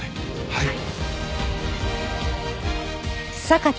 はい。